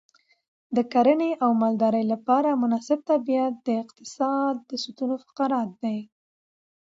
د کرنې او مالدارۍ لپاره مناسب طبیعت د اقتصاد ستون فقرات دی.